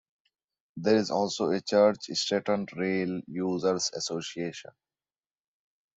There is also a Church Stretton Rail Users' Association.